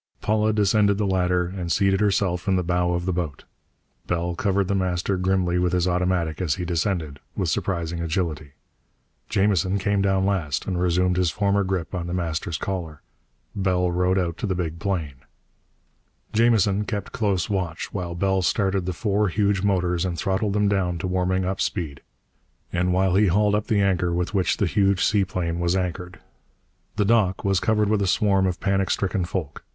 Paula descended the ladder and seated herself in the bow of the boat. Bell covered The Master grimly with his automatic as he descended, with surprising agility. Jamison came down last, and resumed his former grip on The Master's collar. Bell rowed out to the big plane. Jamison kept close watch while Bell started the four huge motors and throttled them down to warming up speed, and while he hauled up the anchor with which the huge seaplane was anchored. The dock was covered with a swarm of panic stricken folk.